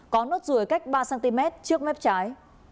có nốt rùi cách ba cm trước mép trái